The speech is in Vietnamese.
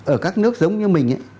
ở các nước giống như mình ấy